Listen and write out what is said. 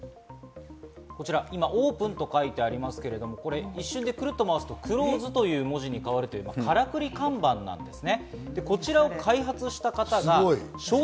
今、「ｏｐｅｎ」と書いてありますけれども、一瞬でくるっと回すと「ｃｌｏｓｅｄ」という文字に変わるというからくり看板です。